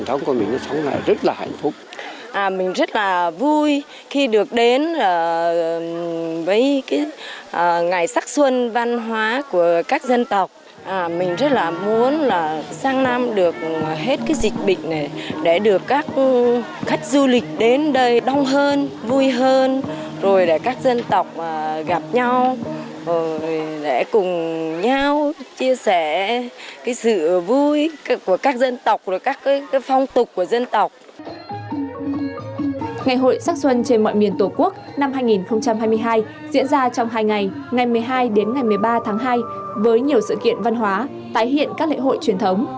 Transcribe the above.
ngày hội sắc xuân trên mọi miền tổ quốc năm hai nghìn hai mươi hai diễn ra trong hai ngày ngày một mươi hai đến ngày một mươi ba tháng hai với nhiều sự kiện văn hóa tái hiện các lễ hội truyền thống